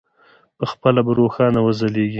پخپله به روښانه وځلېږي.